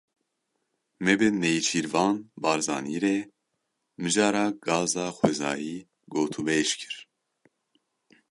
Me bi Nêçîrvan Barzanî re mijara gaza xwezayî gotûbêj kir.